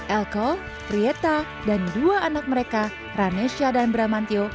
elko prieta dan dua anak mereka ramesya dan bramantio